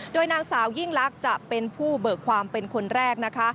โดยนางสาวยิ่งลักษณ์จะเป็นผู้เบิกความเป็นคนแรกนะคะ